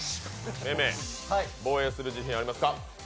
めめ、防衛する自信ありますか？